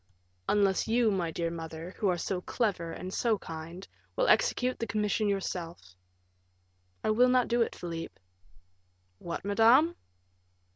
"Unless you, my dear mother, who are so clever and so kind, will execute the commission yourself." "I will not do it, Philip." "What, madame?"